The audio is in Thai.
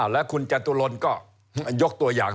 แล้วคุณจตุรนก็ยกตัวอย่าง